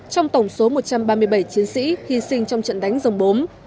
trong tổng số một trăm ba mươi bảy chiến sĩ hy sinh trong trận đánh dòng bốm